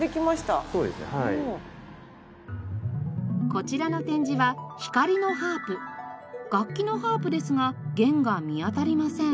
こちらの展示は楽器のハープですが弦が見当たりません。